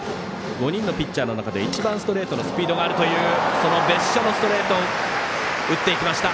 ５人のピッチャーの中で一番ストレートのスピードがあるというその別所のストレート打っていきました。